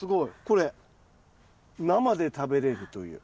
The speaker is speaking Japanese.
これ生で食べれるという。